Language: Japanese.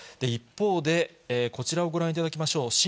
一方でこちらをご覧いただきましょう。